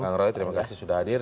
bang roy terima kasih sudah hadir